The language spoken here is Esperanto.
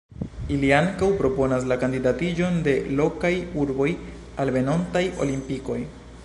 Ili ankaŭ proponas la kandidatiĝon de lokaj urboj al venontaj Olimpikoj.